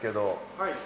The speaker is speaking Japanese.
はい。